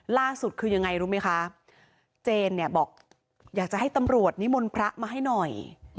ล่าสุดคือยังไงรู้ไหมคะเจนเนี่ยบอกอยากจะให้ตำรวจนิมนต์พระมาให้หน่อย